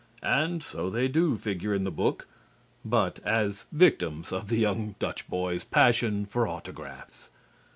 And so they do figure in the book, but as victims of the young Dutch boy's passion for autographs.